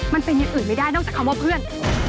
มันเป็นอย่างอื่นไม่ได้นอกจากคำว่าเพื่อน